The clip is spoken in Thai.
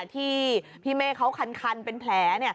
ที่พี่เมฆเขาคันเป็นแผล